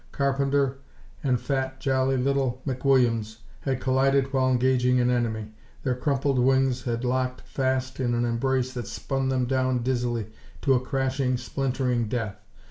Carpenter, and fat, jolly little McWilliams, had collided while engaging an enemy. Their crumpled wings had locked fast in an embrace that spun them down dizzily to a crashing, splintering death.